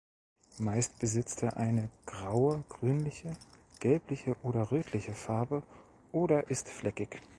Meist besitzt er eine graue, grünliche, gelbliche oder rötliche Farbe oder ist fleckig.